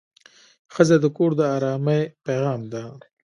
ښځه د کور د ارامۍ پېغام ده.